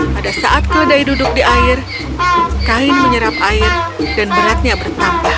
pada saat keledai duduk di air kain menyerap air dan beratnya bertambah